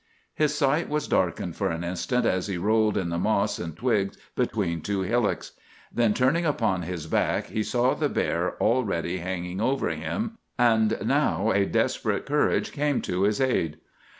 His sight was darkened for an instant, as he rolled in the moss and twigs between two hillocks. Then, turning upon his back, he saw the bear already hanging over him; and now a desperate courage came to his aid.